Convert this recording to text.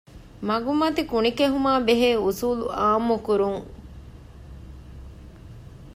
މަގުމަތި ކުނިކެހުމާއި ބެހޭ އުޞޫލު ޢާއްމުކުރުން.